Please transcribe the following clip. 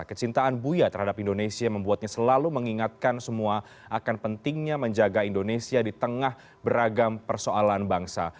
kecintaan buya terhadap indonesia membuatnya selalu mengingatkan semua akan pentingnya menjaga indonesia di tengah beragam persoalan bangsa